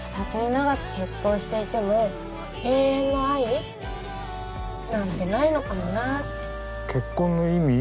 長く結婚していても永遠の愛なんてないのかもなって結婚の意味？